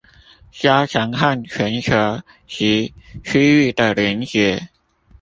加強和全球及區域的連結